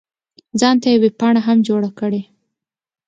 ځان ته یې ویبپاڼه هم جوړه کړې.